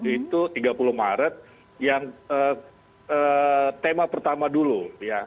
itu tiga puluh maret yang tema pertama dulu ya